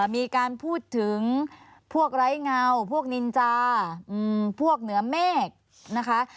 มีการพูดถึงพวกไร้เงาพวกนินจาพวกเหนือเมฆนะคะ